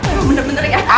emang bener dua ya